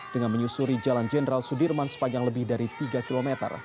dengan menyusuri jalan jenderal sudirman sepanjang lebih dari tiga km